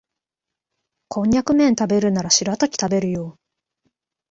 コンニャクめん食べるならシラタキ食べるよ